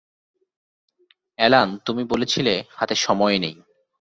Alan, তুমি বলেছিলে হাতে সময় নেই।